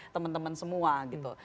teman teman semua gitu